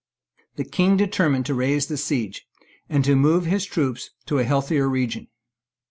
The King determined to raise the siege, and to move his troops to a healthier region.